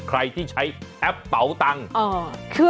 ใครที่ใช้แอปเป๋าตังค์